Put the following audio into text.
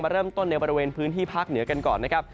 เริ่มต้นในบริเวณพื้นที่ภาคเหนือกันก่อนนะครับ